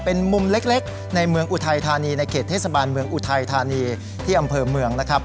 เป็นมุมเล็กในเมืองอุทัยธานีในเขตเทศบาลเมืองอุทัยธานีที่อำเภอเมืองนะครับ